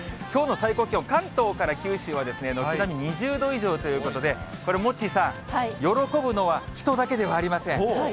きょうの最高気温、関東から九州は軒並み２０度以上ということで、これ、モッチーさん、喜ぶのは人だけではありません。